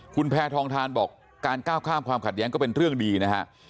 คุณแพทองทานบอกการก้าวข้ามความขัดแย้งก็เป็นเรื่องดีนะฮะ